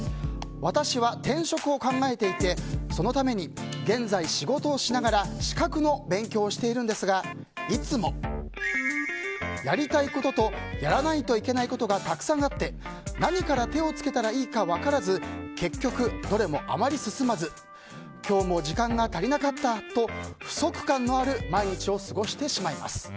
私は、転職を考えていてそのために現在、仕事をしながら資格の勉強をしているんですがいつも、やりたいこととやらないといけないことがたくさんあって何から手を付けたらいいか分からず結局、どれもあまり進まず今日も時間が足りなかったと不足感のある毎日を過ごしてしまいます。